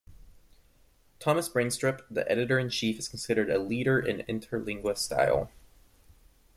Thomas Breinstrup, the editor in chief, is considered a leader of Interlingua style.